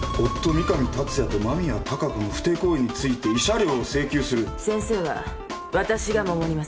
三神達也と間宮貴子の不貞行為について慰謝料を請求する」先生はわたしが守ります。